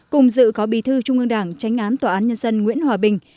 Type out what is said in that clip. cùng dự có bí thư trung ương đảng tránh án tòa án nhân dân nguyễn hòa bình